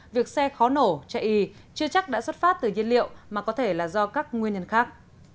việc xe khó nổ chạy y chưa chắc đã xuất phát từ nhiên liệu mà có thể là do các nguyên nhân khác